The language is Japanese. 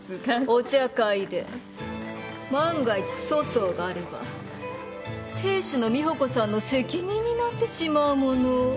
お茶会で万が一粗相があれば亭主の美保子さんの責任になってしまうもの。